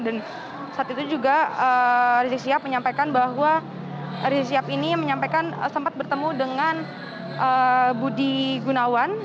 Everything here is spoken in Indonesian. dan saat itu juga rizik syihab menyampaikan bahwa rizik syihab ini menyampaikan sempat bertemu dengan budi gunawan